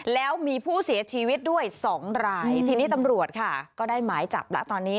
แล้วมีผู้เสียชีวิตด้วย๒รายทีนี้ตำรวจค่ะก็ได้หมายจับแล้วตอนนี้